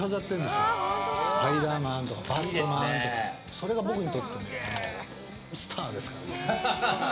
それが僕にとってのスターですかね。